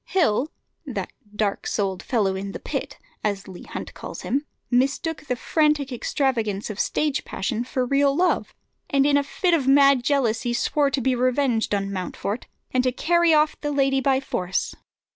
Hill, "that dark souled fellow in the pit," as Leigh Hunt calls him, mistook the frantic extravagance of stage passion for real love, and in a fit of mad jealousy swore to be revenged on Mountfort, and to carry off the lady by force.